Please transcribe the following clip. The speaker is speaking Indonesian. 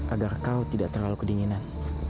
agar kau tidak terlalu kedinginan